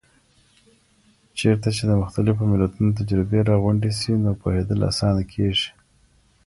چیرته چي د مختلفو ملتونو تجربې راغونډې سي، نو پوهیدل آسانه کیږي؟